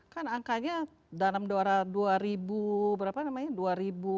kan angkanya dalam dua ribu berapa namanya